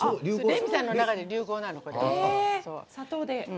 レミさんの中で流行なの。